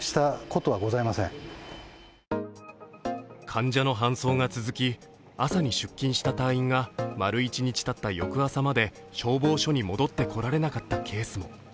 患者の搬送が続き、朝に出勤した隊員が丸１日たった翌朝まで消防署に戻ってこられなかったケースも。